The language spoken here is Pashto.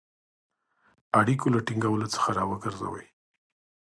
اړیکو له ټینګولو څخه را وګرځوی.